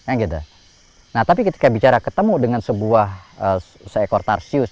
nah tapi ketika bicara ketemu dengan sebuah seekor tarsius